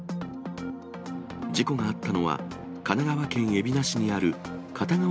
事故があったのは、神奈川県海老名市にある片側